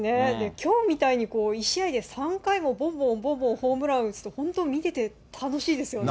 きょうみたいに１試合で３回もぼんぼんぼんぼんホームランを打つって、本当に見てて楽しいですよね。